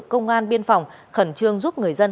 công an biên phòng khẩn trương giúp người dân